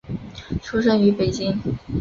出生于北京。